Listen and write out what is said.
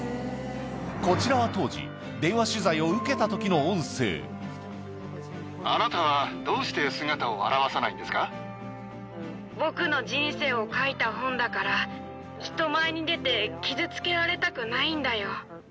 こちらは当時、電話取材を受あなたは、どうして姿を現さ僕の人生を書いた本だから、人前に出て、傷つけられたくないんだよ。